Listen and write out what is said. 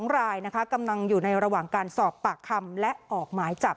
๒รายนะคะกำลังอยู่ในระหว่างการสอบปากคำและออกหมายจับ